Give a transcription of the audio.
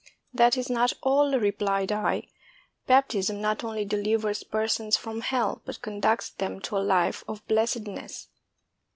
"That is not all," replied I, "baptism not only de livers persons from hell, but conducts them to a life of blessedness."